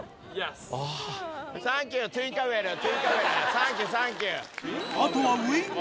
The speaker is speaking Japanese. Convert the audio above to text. サンキューサンキュー。